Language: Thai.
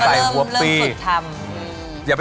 แล้วก็ต้มเลยนะ